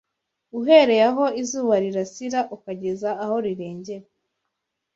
uhereye aho izuba rirasira, ukageza aho rirengera